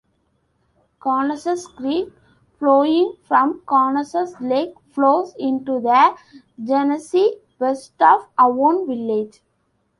Conesus Creek flowing from Conesus Lake flows into the Genesee west of Avon village.